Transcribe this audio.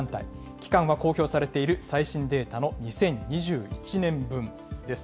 期間は公表されている最新データの２０２１年分です。